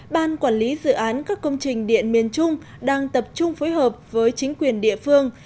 ban quản lý dự án các công trình điện miền trung đang tập trung phối hợp với chính quyền địa phương